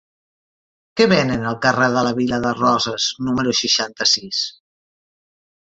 Què venen al carrer de la Vila de Roses número seixanta-sis?